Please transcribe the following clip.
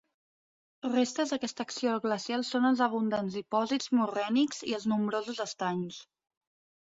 Restes d’aquesta acció glacial són els abundants dipòsits morrènics i els nombrosos estanys.